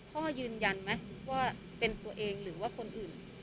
พ่อยืนยันไหมว่าเป็นตัวเองหรือว่าคนอื่น